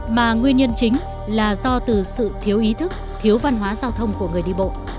mà nguyên nhân chính là do từ sự thiếu ý thức thiếu văn hóa giao thông của người đi bộ